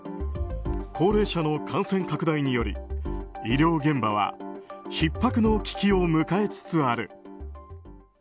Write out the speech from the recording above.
高齢者の感染拡大により医療現場はひっ迫の危機を迎えつつある。